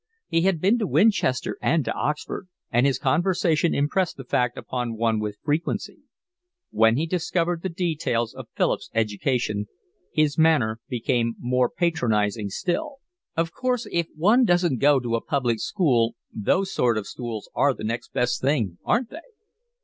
He had been to Winchester and to Oxford, and his conversation impressed the fact upon one with frequency. When he discovered the details of Philip's education his manner became more patronising still. "Of course, if one doesn't go to a public school those sort of schools are the next best thing, aren't they?"